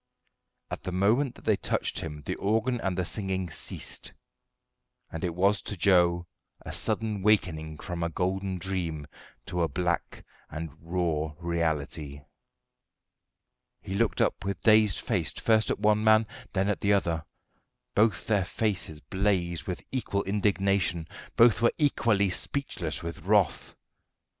At the moment that they touched him the organ and the singing ceased; and it was to Joe a sudden wakening from a golden dream to a black and raw reality. He looked up with dazed face first at one man, then at the other: both their faces blazed with equal indignation; both were equally speechless with wrath.